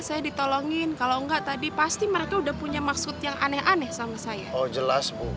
saya ditolongin kalau enggak tadi pasti mereka udah punya maksud yang aneh aneh sama saya oh jelas bu